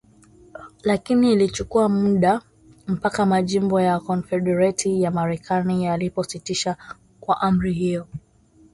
Lakini ilichukua muda mpaka Majimbo ya Konfedereti ya Marekani yalipositisha kwa amri hiyo .